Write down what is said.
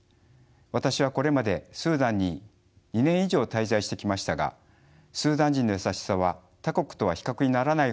私はこれまでスーダンに２年以上滞在してきましたがスーダン人の優しさは他国とは比較にならないほどぬきんでています。